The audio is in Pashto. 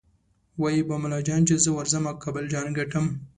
ویل به ملا جان چې زه ورځمه کابل جان ګټم